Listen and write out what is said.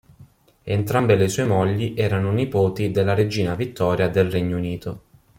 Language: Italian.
Entrambe le sue mogli erano nipoti della regina Vittoria del Regno Unito.